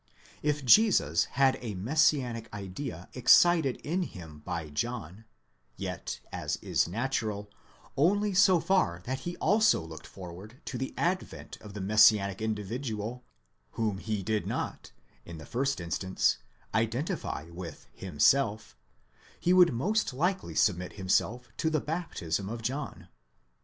If Jesus had the messianic idea excited in him by John, yet, as is natural, only so far that he also looked for ward to the advent of the messianic individual, whom he did not, in the first instance, identify with himself; he would most likely submit himself to the baptism of John.